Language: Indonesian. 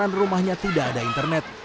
karena rumahnya tidak ada internet